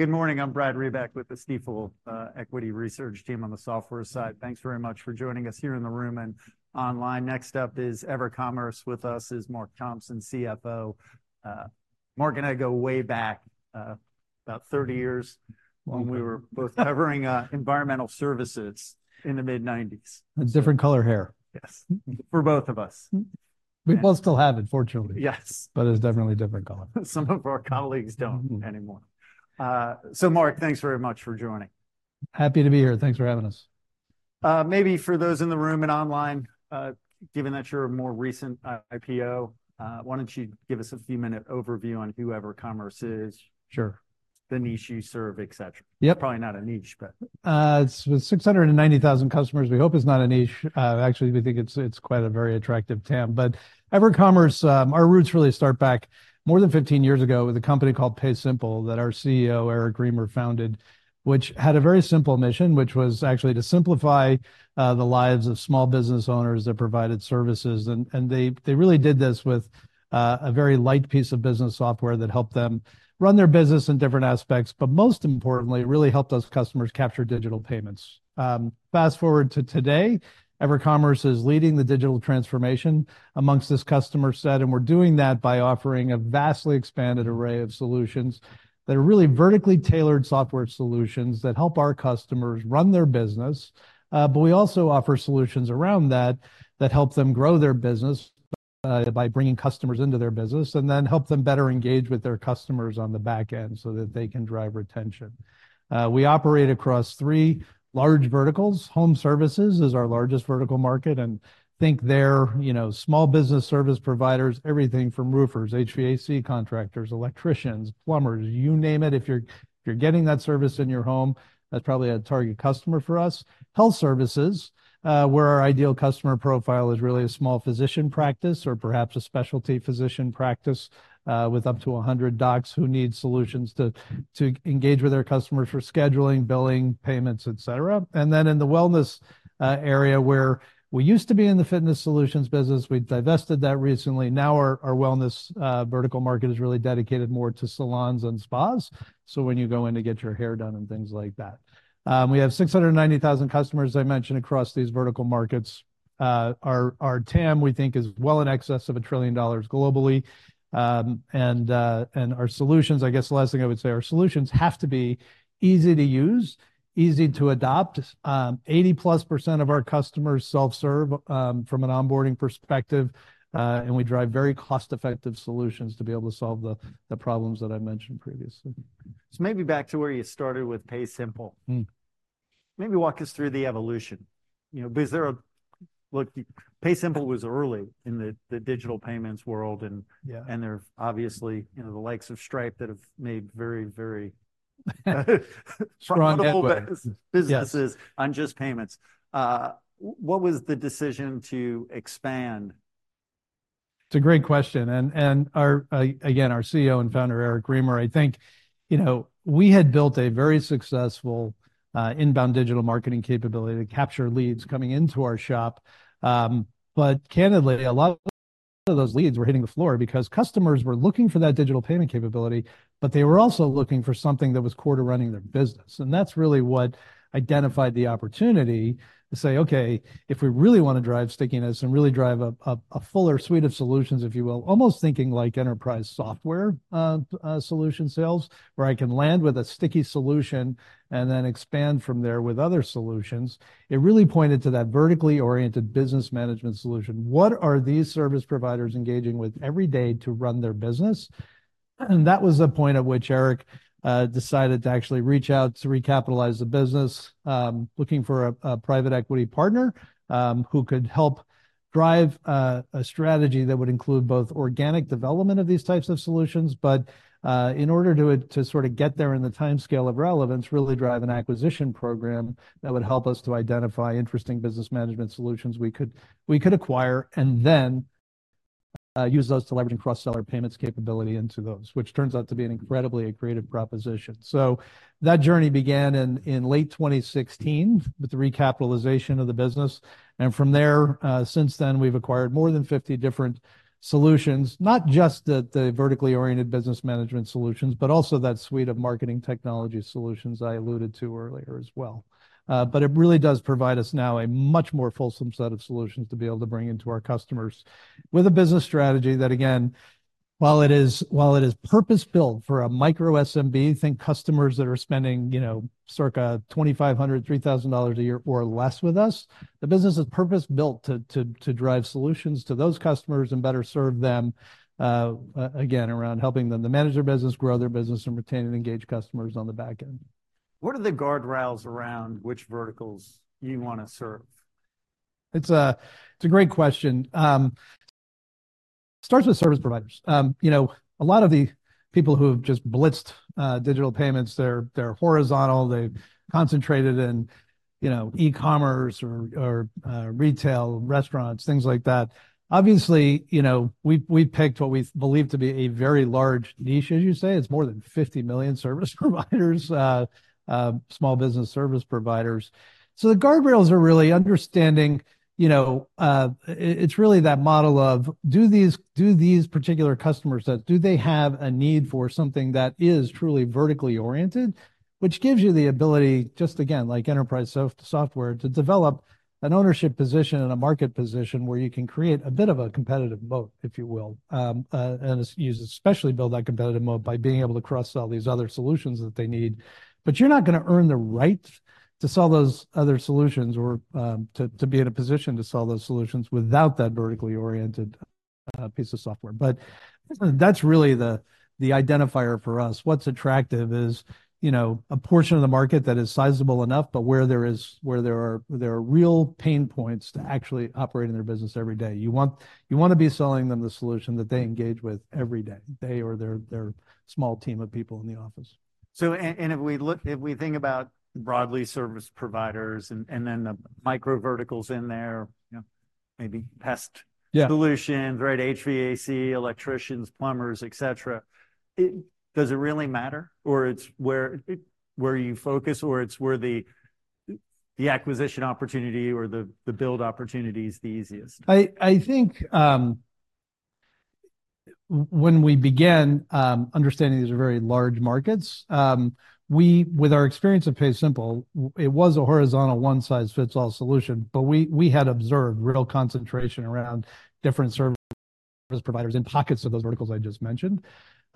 Good morning. I'm Brad Reback with the Stifel Equity Research Team on the software side. Thanks very much for joining us here in the room and online. Next up is EverCommerce. With us is Marc Thompson, CFO. Marc and I go way back, about 30 years, when we were both covering environmental services in the mid-1990s. A different color hair. Yes, for both of us. We both still have it, fortunately. Yes. But it's definitely a different color. Some of our colleagues don't- Mm-hmm -anymore. So Marc, thanks very much for joining. Happy to be here. Thanks for having us. Maybe for those in the room and online, given that you're a more recent IPO, why don't you give us a few minute overview on who EverCommerce is? Sure. The niche you serve, et cetera. Yep. Probably not a niche, but... With 690,000 customers, we hope it's not a niche. Actually, we think it's quite a very attractive TAM. But EverCommerce, our roots really start back more than 15 years ago with a company called PaySimple, that our CEO, Eric Remer, founded, which had a very simple mission, which was actually to simplify the lives of small business owners that provided services. They really did this with a very light piece of business software that helped them run their business in different aspects, but most importantly, it really helped those customers capture digital payments. Fast-forward to today, EverCommerce is leading the digital transformation amongst this customer set, and we're doing that by offering a vastly expanded array of solutions that are really vertically tailored software solutions that help our customers run their business. But we also offer solutions around that that help them grow their business by bringing customers into their business, and then help them better engage with their customers on the back end so that they can drive retention. We operate across three large verticals. Home services is our largest vertical market, and think they're, you know, small business service providers, everything from roofers, HVAC contractors, electricians, plumbers, you name it. If you're getting that service in your home, that's probably a target customer for us. Health services, where our ideal customer profile is really a small physician practice or perhaps a specialty physician practice with up to 100 docs who need solutions to engage with their customers for scheduling, billing, payments, et cetera. And then, in the wellness area, where we used to be in the fitness solutions business, we divested that recently. Now, our wellness vertical market is really dedicated more to salons and spas, so when you go in to get your hair done and things like that. We have 690,000 customers, as I mentioned, across these vertical markets. Our TAM, we think, is well in excess of $1 trillion globally. And our solutions—I guess the last thing I would say, our solutions have to be easy to use, easy to adopt. 80%+ of our customers self-serve from an onboarding perspective, and we drive very cost-effective solutions to be able to solve the problems that I mentioned previously. So maybe back to where you started with PaySimple. Mm. Maybe walk us through the evolution. You know, because there are. Look, PaySimple was early in the digital payments world, and- Yeah... and there are obviously, you know, the likes of Stripe that have made very, very - Strong equity... profitable businesses- Yes -on just payments. What was the decision to expand? It's a great question, and our CEO and Founder, Eric Remer, I think, you know, we had built a very successful inbound digital marketing capability to capture leads coming into our shop. But candidly, a lot of those leads were hitting the floor because customers were looking for that digital payment capability, but they were also looking for something that was core to running their business. And that's really what identified the opportunity to say, "Okay, if we really want to drive stickiness and really drive a fuller suite of solutions," if you will, almost thinking like enterprise software solution sales, where I can land with a sticky solution and then expand from there with other solutions. It really pointed to that vertically oriented business management solution. What are these service providers engaging with every day to run their business? That was the point at which Eric decided to actually reach out to recapitalize the business, looking for a private equity partner who could help drive a strategy that would include both organic development of these types of solutions, but in order to sort of get there in the timescale of relevance, really drive an acquisition program that would help us to identify interesting business management solutions we could, we could acquire, and then use those to leverage and cross-sell our payments capability into those, which turns out to be an incredibly accretive proposition. So that journey began in late 2016, with the recapitalization of the business, and from there, since then, we've acquired more than 50 different solutions, not just the vertically oriented business management solutions, but also that suite of marketing technology solutions I alluded to earlier as well. But it really does provide us now a much more fulsome set of solutions to be able to bring into our customers, with a business strategy that, again, while it is purpose-built for a micro SMB, think customers that are spending, you know, circa $2,500-$3,000 a year or less with us, the business is purpose-built to drive solutions to those customers and better serve them, again, around helping them to manage their business, grow their business, and retain and engage customers on the back end. What are the guardrails around which verticals you want to serve? It's a great question. Starts with service providers. You know, a lot of the people who have just blitzed digital payments, they're horizontal. They've concentrated in, you know, e-commerce or retail, restaurants, things like that. Obviously, you know, we've picked what we believe to be a very large niche, as you say. It's more than 50 million service providers, small business service providers. So the guardrails are really understanding, you know, it's really that model of do these particular customer sets, do they have a need for something that is truly vertically oriented? Which gives you the ability, just again, like enterprise software, to develop an ownership position and a market position where you can create a bit of a competitive moat, if you will, and use it, especially build that competitive moat by being able to cross-sell these other solutions that they need. But you're not gonna earn the right to sell those other solutions or to be in a position to sell those solutions without that vertically oriented a piece of software. But that's really the identifier for us. What's attractive is, you know, a portion of the market that is sizable enough, but where there are real pain points to actually operate in their business every day. You wanna be selling them the solution that they engage with every day, they or their small team of people in the office. If we think about broadly service providers and then the micro verticals in there, you know, maybe pest- Yeah solutions, right? HVAC, electricians, plumbers, et cetera. Does it really matter, or it's where it, where you focus, or it's where the, the acquisition opportunity or the, the build opportunity is the easiest? I think, when we began understanding these are very large markets, we, with our experience of PaySimple, it was a horizontal one-size-fits-all solution, but we, we had observed real concentration around different service providers in pockets of those verticals I just mentioned.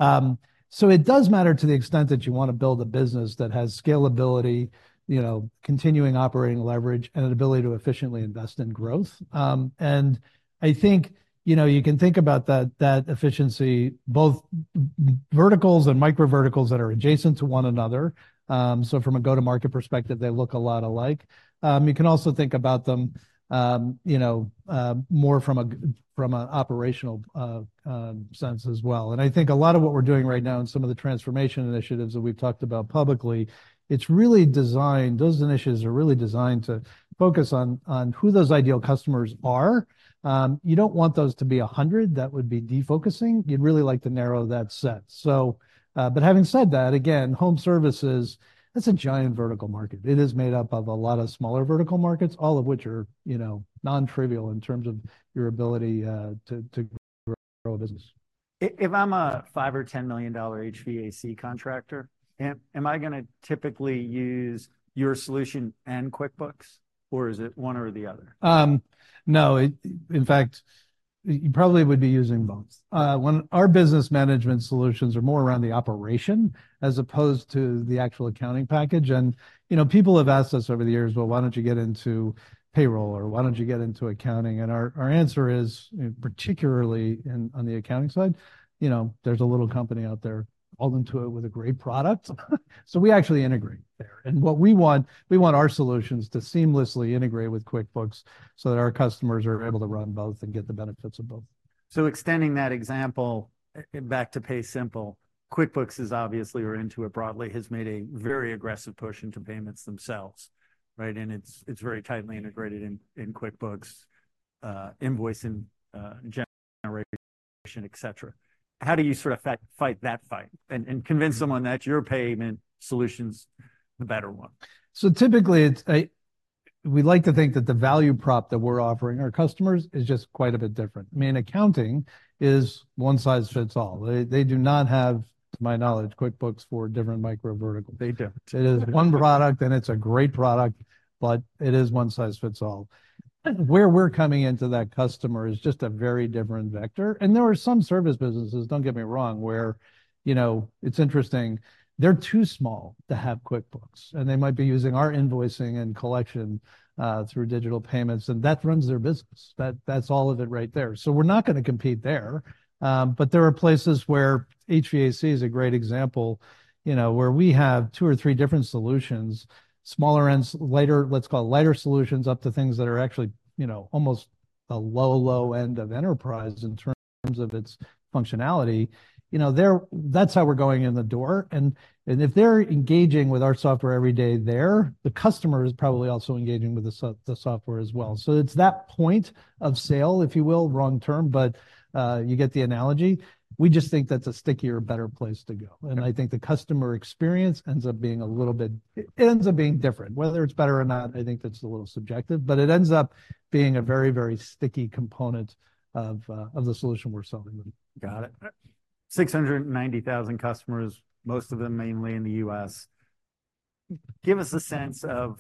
So it does matter to the extent that you wanna build a business that has scalability, you know, continuing operating leverage, and an ability to efficiently invest in growth. And I think, you know, you can think about that, that efficiency, both verticals and micro verticals that are adjacent to one another. So from a go-to-market perspective, they look a lot alike. You can also think about them, you know, more from a from an operational sense as well. I think a lot of what we're doing right now in some of the transformation initiatives that we've talked about publicly, it's really designed—those initiatives are really designed to focus on who those ideal customers are. You don't want those to be 100. That would be defocusing. You'd really like to narrow that set. So, but having said that, again, home services, that's a giant vertical market. It is made up of a lot of smaller vertical markets, all of which are, you know, non-trivial in terms of your ability to grow a business. If I'm a $5 million or $10 million dollar HVAC contractor, am I gonna typically use your solution and QuickBooks, or is it one or the other? No, in fact, you probably would be using both. Okay. When our business management solutions are more around the operation as opposed to the actual accounting package, and, you know, people have asked us over the years, "Well, why don't you get into payroll?" or, "Why don't you get into accounting?" And our answer is, particularly on the accounting side, you know, there's a little company out there called Intuit with a great product. So we actually integrate there. And what we want our solutions to seamlessly integrate with QuickBooks so that our customers are able to run both and get the benefits of both. So extending that example, back to PaySimple, QuickBooks is obviously, or Intuit broadly, has made a very aggressive push into payments themselves, right? And it's, it's very tightly integrated in, in QuickBooks, invoice and generation, et cetera. How do you sort of fight that fight and convince someone that your payment solution's the better one? So typically, it's. We like to think that the value prop that we're offering our customers is just quite a bit different. I mean, accounting is one size fits all. They do not have, to my knowledge, QuickBooks for different micro verticals. They don't. It is one product, and it's a great product, but it is one size fits all. Where we're coming into that customer is just a very different vector, and there are some service businesses, don't get me wrong, where, you know, it's interesting, they're too small to have QuickBooks, and they might be using our invoicing and collection through digital payments, and that runs their business. That, that's all of it right there. So we're not gonna compete there. But there are places where HVAC is a great example, you know, where we have two or three different solutions, smaller ends, lighter, let's call it lighter solutions, up to things that are actually, you know, almost a low, low end of enterprise in terms of its functionality. You know, that's how we're going in the door, and if they're engaging with our software every day there, the customer is probably also engaging with the software as well. So it's that point of sale, if you will, wrong term, but you get the analogy. We just think that's a stickier, better place to go. Yeah. I think the customer experience ends up being a little bit... It ends up being different. Whether it's better or not, I think that's a little subjective, but it ends up being a very, very sticky component of the solution we're selling them. Got it. 690,000 customers, most of them mainly in the U.S. Give us a sense of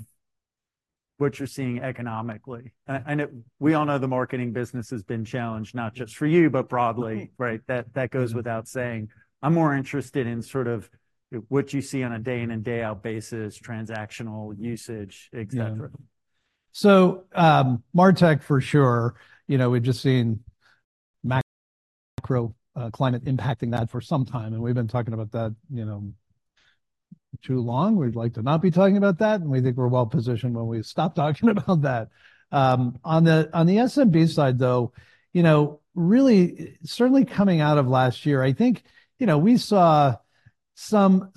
what you're seeing economically. I know we all know the marketing business has been challenged, not just for you, but broadly. Mm. Right, that goes without saying. Mm. I'm more interested in sort of what you see on a day in and day out basis, transactional usage, et cetera. Yeah. So, MarTech for sure, you know, we've just seen macro climate impacting that for some time, and we've been talking about that, you know, too long. We'd like to not be talking about that, and we think we're well-positioned when we stop talking about that. On the SMB side, though, you know, really, certainly coming out of last year, I think, you know, we saw some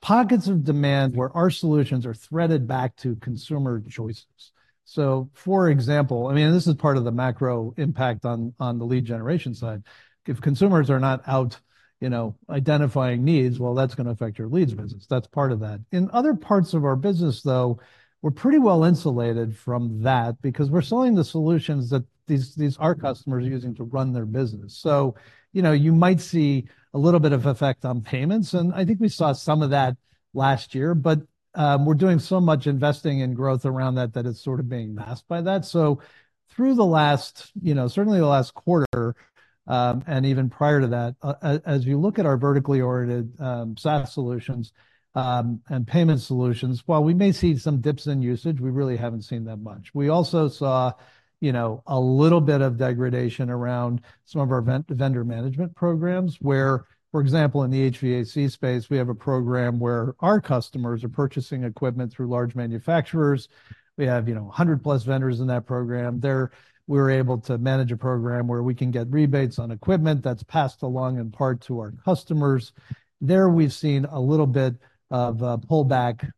pockets of demand where our solutions are threaded back to consumer choices. So, for example, I mean, this is part of the macro impact on the lead generation side. If consumers are not out, you know, identifying needs, well, that's gonna affect your leads business. That's part of that. In other parts of our business, though, we're pretty well insulated from that because we're selling the solutions that these our customers are using to run their business. So, you know, you might see a little bit of effect on payments, and I think we saw some of that last year, but we're doing so much investing in growth around that, that it's sort of being masked by that. So through the last, you know, certainly the last quarter, and even prior to that, as you look at our vertically oriented SaaS solutions and payment solutions, while we may see some dips in usage, we really haven't seen that much. We also saw, you know, a little bit of degradation around some of our vendor management programs, where, for example, in the HVAC space, we have a program where our customers are purchasing equipment through large manufacturers. We have, you know, 100+ vendors in that program. There, we're able to manage a program where we can get rebates on equipment that's passed along in part to our customers. There, we've seen a little bit of a pullback,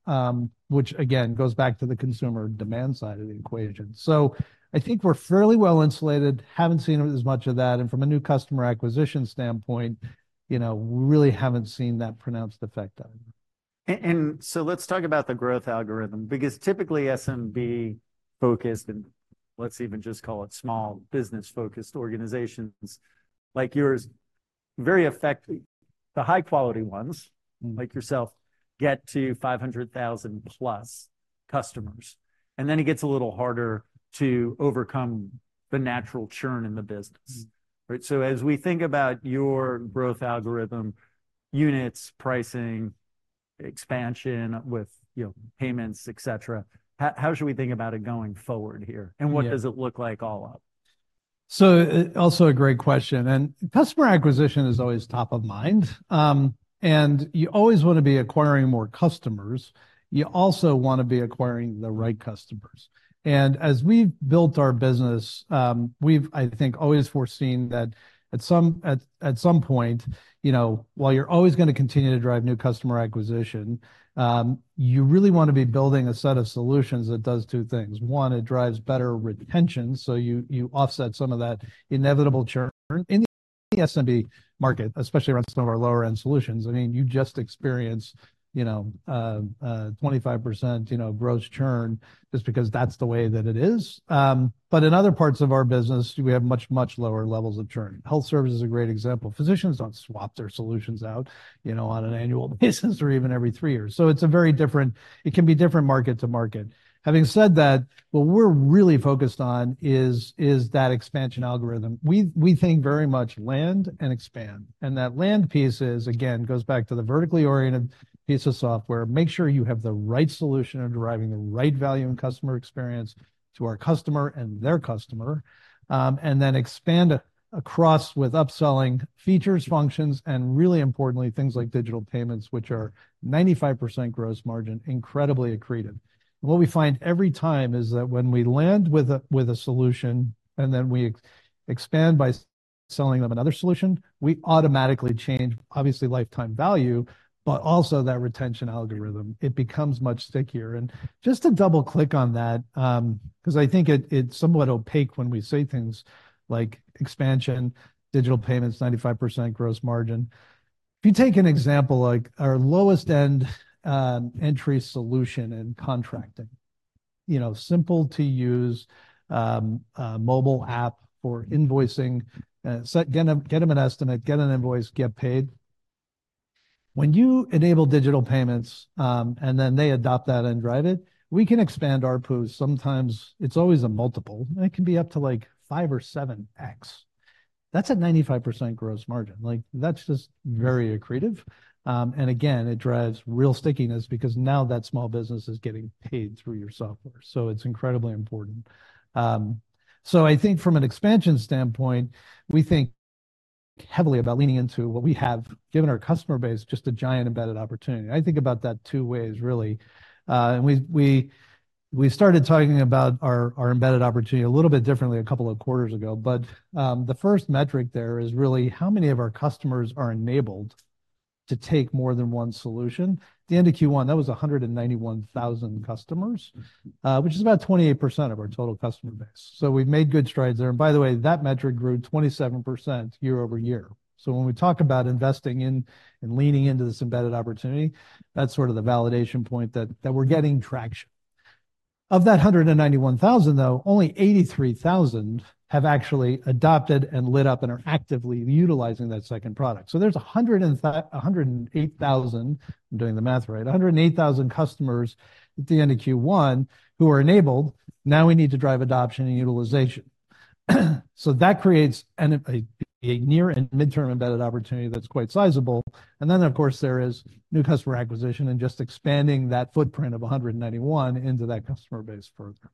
which again, goes back to the consumer demand side of the equation. So I think we're fairly well insulated, haven't seen as much of that, and from a new customer acquisition standpoint, you know, we really haven't seen that pronounced effect on. Let's talk about the growth algorithm, because typically, SMB-focused, and let's even just call it small business-focused organizations like yours, very effective. The high-quality ones, like yourself, get to 500,000+ customers, and then it gets a little harder to overcome the natural churn in the business. Mm. Right? So as we think about your growth algorithm, units, pricing, expansion with, you know, payments, et cetera, how should we think about it going forward here? Yeah. What does it look like all up? So, also a great question, and customer acquisition is always top of mind. You always wanna be acquiring more customers. You also wanna be acquiring the right customers. As we've built our business, we've, I think, always foreseen that at some point, you know, while you're always gonna continue to drive new customer acquisition, you really wanna be building a set of solutions that does two things: One, it drives better retention, so you offset some of that inevitable churn in the SMB market, especially around some of our lower-end solutions. I mean, you just experience, you know, a 25%, you know, gross churn just because that's the way that it is. But in other parts of our business, we have much, much lower levels of churn. Health service is a great example. Physicians don't swap their solutions out, you know, on an annual basis or even every three years. So it's a very different. It can be different market to market. Having said that, what we're really focused on is that expansion algorithm. We think very much land and expand, and that land piece is, again, goes back to the vertically oriented piece of software. Make sure you have the right solution and deriving the right value and customer experience to our customer and their customer, and then expand across with upselling features, functions, and really importantly, things like digital payments, which are 95% gross margin, incredibly accretive. What we find every time is that when we land with a solution, and then we expand by selling them another solution, we automatically change, obviously, lifetime value, but also that retention algorithm. It becomes much stickier. Just to double-click on that, 'cause I think it, it's somewhat opaque when we say things like expansion, digital payments, 95% gross margin. If you take an example, like our lowest-end, entry solution in contracting, you know, simple to use, mobile app for invoicing, so get them, get them an estimate, get an invoice, get paid. When you enable digital payments, and then they adopt that and drive it, we can expand ARPU. Sometimes it's always a multiple, and it can be up to, like, 5x or 7x. That's a 95% gross margin. Like, that's just very accretive. And again, it drives real stickiness because now that small business is getting paid through your software, so it's incredibly important. So I think from an expansion standpoint, we think heavily about leaning into what we have, given our customer base, just a giant embedded opportunity. I think about that two ways, really. And we started talking about our embedded opportunity a little bit differently a couple of quarters ago, but the first metric there is really how many of our customers are enabled to take more than one solution? The end of Q1, that was 191,000 customers, which is about 28% of our total customer base. So we've made good strides there. And by the way, that metric grew 27% year-over-year. So when we talk about investing in and leaning into this embedded opportunity, that's sort of the validation point that we're getting traction. Of that 191,000, though, only 83,000 have actually adopted and lit up and are actively utilizing that second product. So there's a 108,000, I'm doing the math right, 108,000 customers at the end of Q1 who are enabled. Now we need to drive adoption and utilization. So that creates a near and midterm embedded opportunity that's quite sizable, and then, of course, there is new customer acquisition and just expanding that footprint of 191 into that customer base further.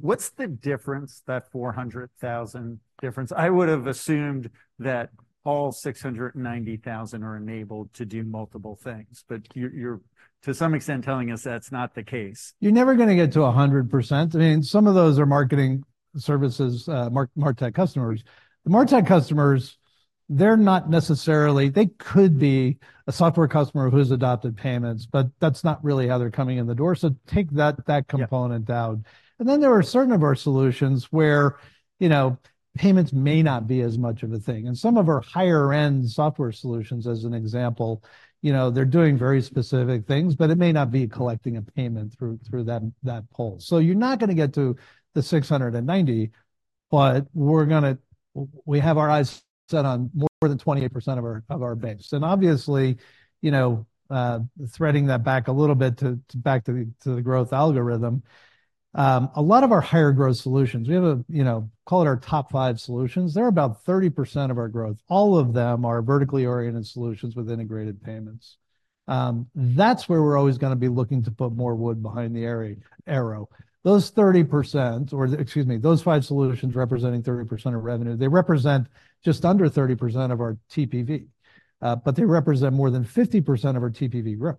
What's the difference, that 400,000 difference? I would have assumed that all 690,000 are enabled to do multiple things, but you're to some extent telling us that's not the case. You're never gonna get to 100%. I mean, some of those are marketing services, MarTech customers. The MarTech customers, they're not necessarily, they could be a software customer who's adopted payments, but that's not really how they're coming in the door. So take that, that. Yeah... component out. And then there are certain of our solutions where, you know, payments may not be as much of a thing, and some of our higher-end software solutions, as an example, you know, they're doing very specific things, but it may not be collecting a payment through that poll. So you're not gonna get to the 690-... but we're gonna-- we have our eyes set on more than 28% of our, of our base. And obviously, you know, threading that back a little bit to, back to the, to the growth algorithm, a lot of our higher growth solutions, we have a, you know, call it our top five solutions. They're about 30% of our growth. All of them are vertically oriented solutions with integrated payments. That's where we're always gonna be looking to put more wood behind the area-- arrow. Those 30%, or excuse me, those five solutions representing 30% of revenue, they represent just under 30% of our TPV, but they represent more than 50% of our TPV growth.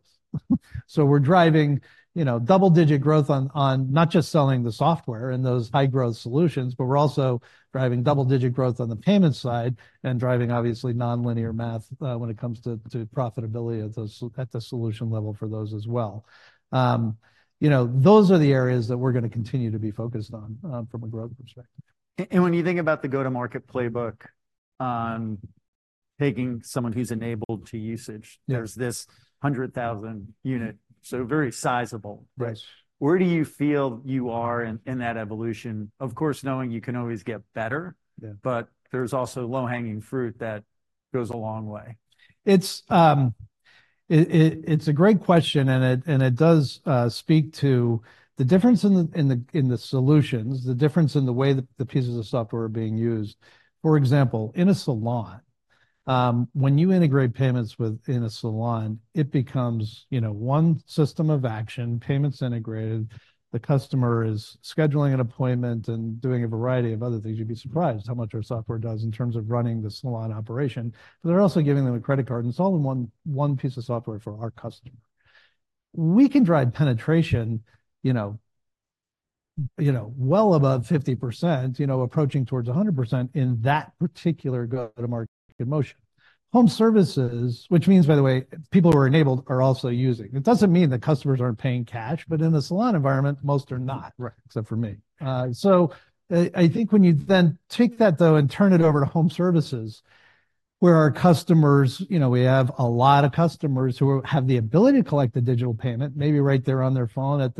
So we're driving, you know, double-digit growth on not just selling the software and those high-growth solutions, but we're also driving double-digit growth on the payment side and driving obviously, non-linear math, when it comes to profitability at the solution level for those as well. You know, those are the areas that we're gonna continue to be focused on from a growth perspective. And when you think about the go-to-market playbook on taking someone who's enabled to usage- Yeah. There's this 100,000 unit, so very sizable. Right. Where do you feel you are in that evolution? Of course, knowing you can always get better- Yeah. But there's also low-hanging fruit that goes a long way. It's a great question, and it does speak to the difference in the solutions, the difference in the way the pieces of software are being used. For example, in a salon, when you integrate payments with—in a salon, it becomes, you know, one system of action, payments integrated. The customer is scheduling an appointment and doing a variety of other things. You'd be surprised how much our software does in terms of running the salon operation, but they're also giving them a credit card, and it's all in one, one piece of software for our customer. We can drive penetration, you know, you know, well above 50%, you know, approaching towards 100% in that particular go-to-market motion. Home services, which means, by the way, people who are enabled are also using. It doesn't mean that customers aren't paying cash, but in the salon environment, most are not. Right. -except for me. So I, I think when you then take that, though, and turn it over to home services, where our customers, you know, we have a lot of customers who have the ability to collect a digital payment, maybe right there on their phone, in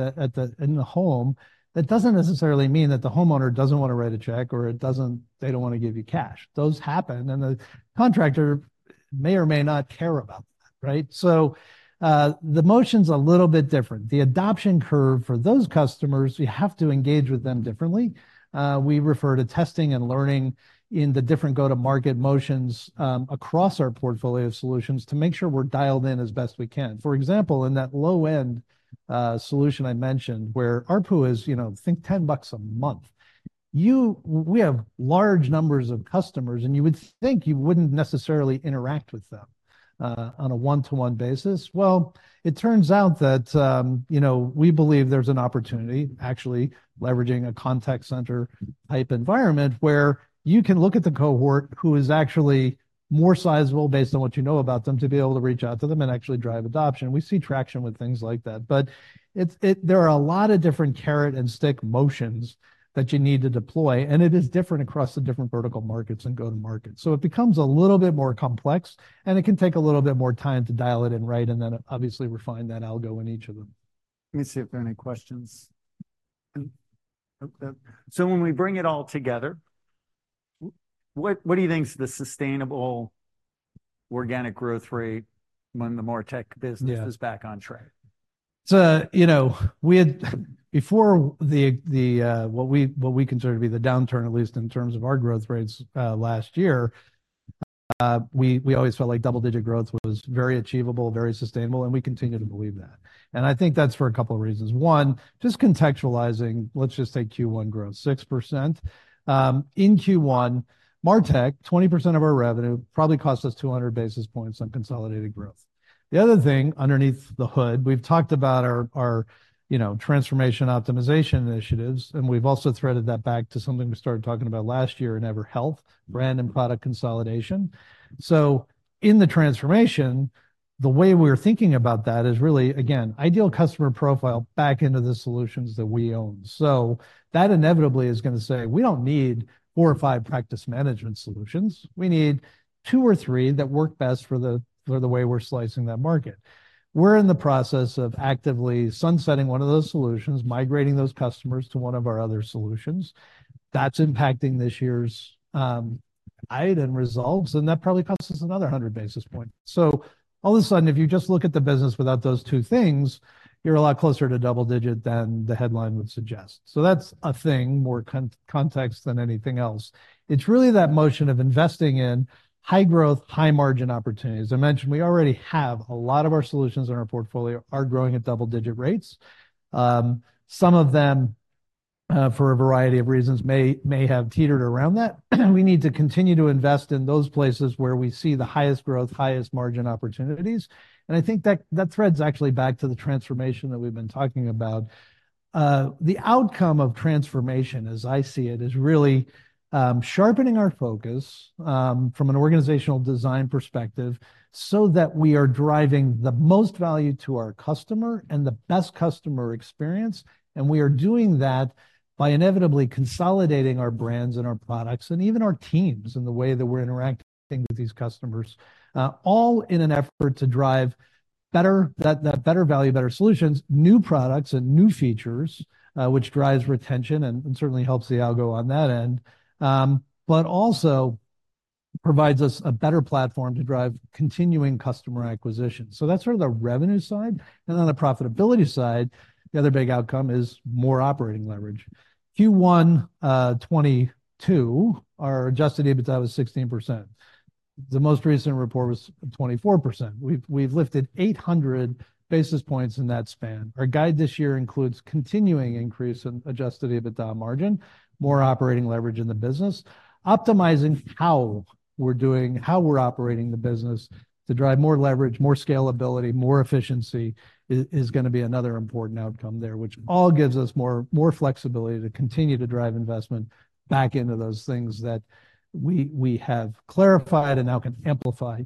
the home, that doesn't necessarily mean that the homeowner doesn't want to write a check or it doesn't, they don't want to give you cash. Those happen, and the contractor may or may not care about that, right? So, the motion's a little bit different. The adoption curve for those customers, we have to engage with them differently. We refer to testing and learning in the different go-to-market motions, across our portfolio of solutions to make sure we're dialed in as best we can. For example, in that low-end solution I mentioned, where ARPU is, you know, think $10 a month, we have large numbers of customers, and you would think you wouldn't necessarily interact with them on a one-to-one basis. Well, it turns out that, you know, we believe there's an opportunity actually leveraging a contact center-type environment, where you can look at the cohort who is actually more sizable based on what you know about them, to be able to reach out to them and actually drive adoption. We see traction with things like that. But it's, there are a lot of different carrot-and-stick motions that you need to deploy, and it is different across the different vertical markets and go-to-market. So it becomes a little bit more complex, and it can take a little bit more time to dial it in, right? And then obviously refine that algo in each of them. Let me see if there are any questions. And... Okay, so when we bring it all together, what do you think is the sustainable organic growth rate when the MarTech business- Yeah Is back on track? So, you know, we had before the, the, what we consider to be the downturn, at least in terms of our growth rates, last year, we always felt like double-digit growth was very achievable, very sustainable, and we continue to believe that. And I think that's for a couple of reasons: one, just contextualizing, let's just say Q1 growth, 6%. In Q1, MarTech, 20% of our revenue, probably cost us 200 basis points on consolidated growth. The other thing underneath the hood, we've talked about our, you know, transformation optimization initiatives, and we've also threaded that back to something we started talking about last year in EverHealth, brand and product consolidation. So in the transformation, the way we're thinking about that is really, again, ideal customer profile back into the solutions that we own. So that inevitably is gonna say, "We don't need four or five practice management solutions. We need two or three that work best for the way we're slicing that market." We're in the process of actively sunsetting one of those solutions, migrating those customers to one of our other solutions. That's impacting this year's guide and results, and that probably costs us another 100 basis points. So all of a sudden, if you just look at the business without those two things, you're a lot closer to double-digit than the headline would suggest. So that's a thing, more context than anything else. It's really that motion of investing in high-growth, high-margin opportunities. I mentioned we already have a lot of our solutions in our portfolio are growing at double-digit rates. Some of them, for a variety of reasons, may have teetered around that. We need to continue to invest in those places where we see the highest growth, highest margin opportunities, and I think that, that threads actually back to the transformation that we've been talking about. The outcome of transformation, as I see it, is really sharpening our focus from an organizational design perspective, so that we are driving the most value to our customer and the best customer experience, and we are doing that by inevitably consolidating our brands and our products, and even our teams, in the way that we're interacting with these customers. All in an effort to drive better value, better solutions, new products and new features, which drives retention and certainly helps the algo on that end. But also provides us a better platform to drive continuing customer acquisition. So that's sort of the revenue side. And on the profitability side, the other big outcome is more operating leverage. Q1 2022, our adjusted EBITDA was 16%. The most recent report was 24%. We've, we've lifted 800 basis points in that span. Our guide this year includes continuing increase in adjusted EBITDA margin, more operating leverage in the business. Optimizing how we're doing, how we're operating the business to drive more leverage, more scalability, more efficiency, is gonna be another important outcome there, which all gives us more, more flexibility to continue to drive investment back into those things that we, we have clarified and now can amplify,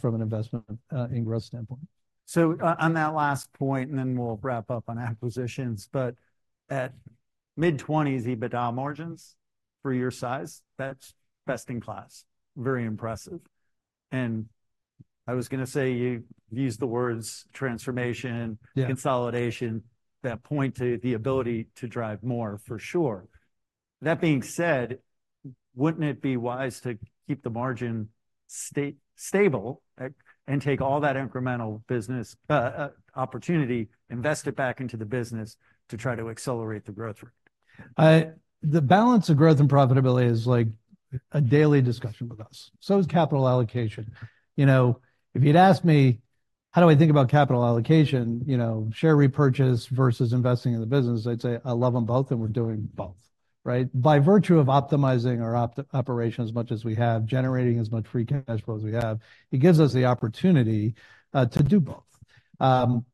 from an investment in growth standpoint. So on that last point, and then we'll wrap up on acquisitions, but at mid-20s EBITDA margins for your size, that's best in class. Very impressive. And I was gonna say, you used the words transformation- Yeah... consolidation, that point to the ability to drive more, for sure. That being said, wouldn't it be wise to keep the margin stable, and take all that incremental business opportunity, invest it back into the business to try to accelerate the growth rate? The balance of growth and profitability is like a daily discussion with us, so is capital allocation. You know, if you'd asked me: How do I think about capital allocation, you know, share repurchase versus investing in the business? I'd say I love them both, and we're doing both, right? By virtue of optimizing our operation as much as we have, generating as much free cash flow as we have, it gives us the opportunity to do both.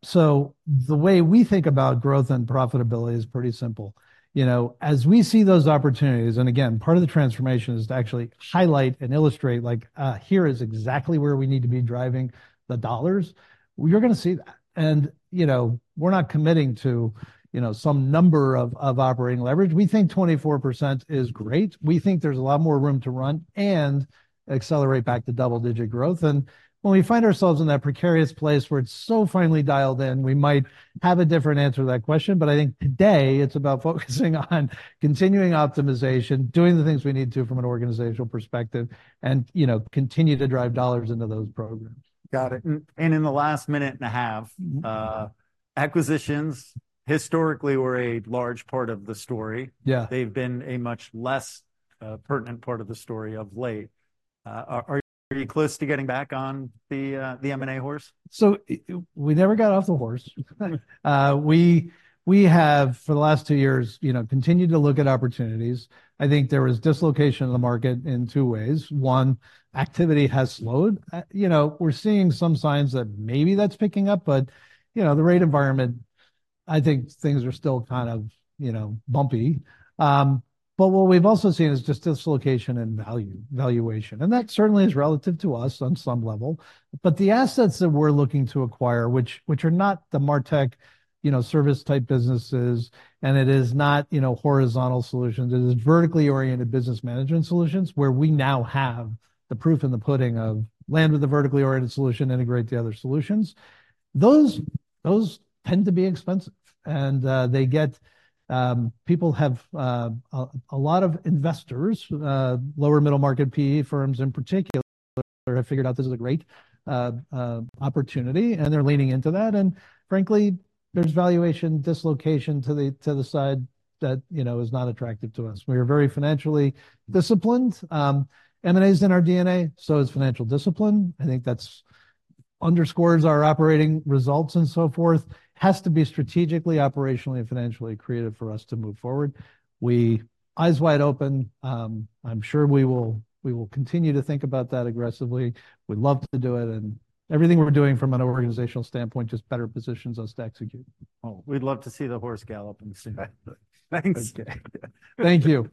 So the way we think about growth and profitability is pretty simple. You know, as we see those opportunities, and again, part of the transformation is to actually highlight and illustrate, like, here is exactly where we need to be driving the dollars, we are gonna see that. And, you know, we're not committing to, you know, some number of operating leverage. We think 24% is great. We think there's a lot more room to run and accelerate back to double-digit growth. And when we find ourselves in that precarious place where it's so finely dialed in, we might have a different answer to that question. But I think today it's about focusing on continuing optimization, doing the things we need to from an organizational perspective, and, you know, continue to drive dollars into those programs. Got it. And in the last minute and a half- Mm-hmm, mm-hmm.... acquisitions historically were a large part of the story. Yeah. They've been a much less pertinent part of the story of late. Are you close to getting back on the M&A horse? We never got off the horse. We, we have, for the last two years, you know, continued to look at opportunities. I think there was dislocation in the market in two ways. One, activity has slowed. You know, we're seeing some signs that maybe that's picking up, but, you know, the rate environment, I think things are still kind of, you know, bumpy. But what we've also seen is just dislocation in value, valuation, and that certainly is relative to us on some level. But the assets that we're looking to acquire, which, which are not the MarTech, you know, service-type businesses, and it is not, you know, horizontal solutions. It is vertically oriented business management solutions, where we now have the proof in the pudding of land with a vertically oriented solution, integrate the other solutions. Those tend to be expensive, and people have a lot of investors, lower middle market PE firms in particular, have figured out this is a great opportunity, and they're leaning into that. And frankly, there's valuation dislocation to the side that, you know, is not attractive to us. We are very financially disciplined. M&A is in our DNA, so is financial discipline. I think that underscores our operating results and so forth. Has to be strategically, operationally, and financially accretive for us to move forward. We eyes wide open. I'm sure we will continue to think about that aggressively. We'd love to do it, and everything we're doing from an organizational standpoint just better positions us to execute. Well, we'd love to see the horse gallop and soon. Thanks. Okay. Thank you.